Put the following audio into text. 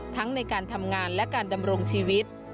ทั้งในการทำงานและการดำรงชีวิต